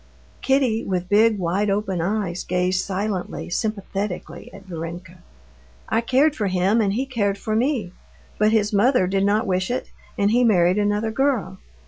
Kitty with big, wide open eyes gazed silently, sympathetically at Varenka. "I cared for him, and he cared for me; but his mother did not wish it, and he married another girl.